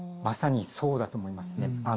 まさにそうだと思いますね。